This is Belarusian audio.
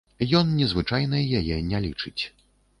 Ён незвычайнай яе не лічыць.